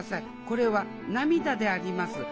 これは涙であります。